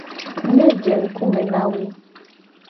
Ne je ngku me na wo.